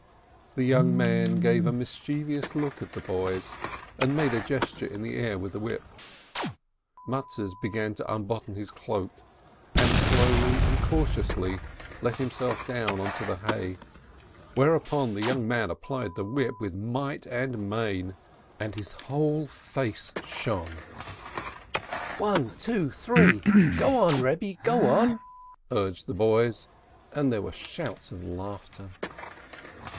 The young man gave a mischievous look at the boys, and made a gesture in the air with the whip. Mattes began to unbutton his cloak, and slowly and cautiously let himself down onto the hay, whereupon the young man applied the whip with might and main, and his whole face shone. COUNTRY FOLK 553 "One, two, three! Go on, Rebbe, go on!" urged the boys, and there were shouts of laughter.